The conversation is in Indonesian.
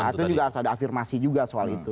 itu juga harus ada afirmasi juga soal itu